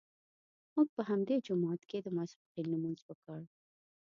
موږ په همدې جومات کې د ماسپښین لمونځ وکړ.